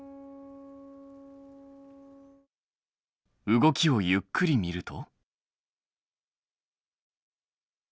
動きをゆっくり見ると。